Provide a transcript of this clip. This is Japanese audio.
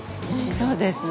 そうですね。